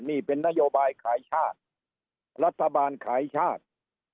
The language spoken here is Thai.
นี่เป็นนโยบายขายชาติรัฐบาลขายชาติ